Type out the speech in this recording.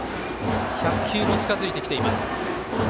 １００球も近づいてきています。